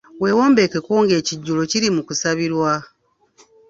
Wewombeekeko nga ekijjulo kiri mu kusabirwa